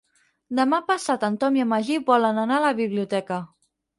Demà passat en Tom i en Magí volen anar a la biblioteca.